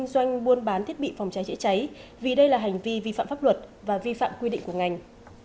xã hội quy định của ngành